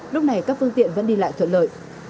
lúc này các phương tiện vẫn đi lại thuận lợi